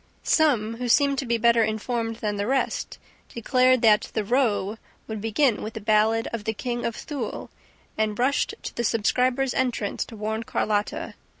Some, who seemed to be better informed than the rest, declared that the "row" would begin with the ballad of the KING OF THULE and rushed to the subscribers' entrance to warn Carlotta.